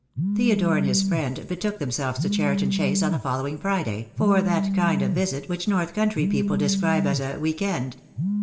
Theodore and his friend betook themselves to Cheri ton Chase on the following Friday, for that kind of visit which north country people describe as "a week end."